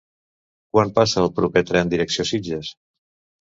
Quan passa el proper tren direcció Sitges?